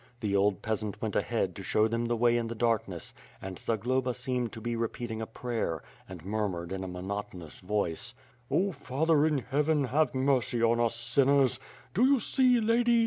The old peasant went ahead to show them the way in the darkness, and Zagloba seemed to be repeating a prayer, and murmured in a monoto nous voice: "Oh, Father in heaven, have mercy on us sinners Do you see Lady?